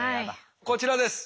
こちらです。